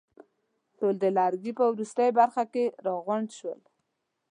ټول د لرګي په وروستۍ برخه کې راغونډ شول.